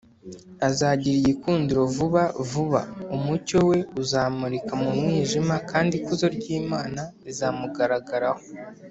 azagira igikuriro vuba vuba, umucyo we uzamurika mu mwijima kandi ikuzo ry’imana rizamugaragaraho